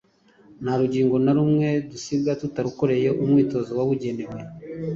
Nta rugingo na rumwe dusiga tutarukoreye umwitozo wabugenewe.